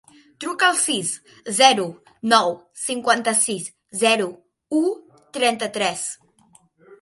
Truca al sis, zero, nou, cinquanta-sis, zero, u, trenta-tres.